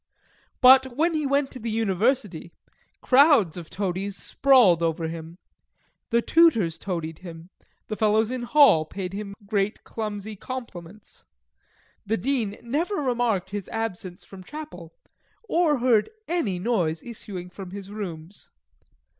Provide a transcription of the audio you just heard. But when he went to the University, crowds of toadies sprawled over him. The tutors toadied him. The fellows in hall paid him great clumsy compliments. The Dean never remarked his absence from Chapel, or heard any noise issuing from his rooms.